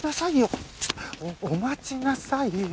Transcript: お待ちなさいよ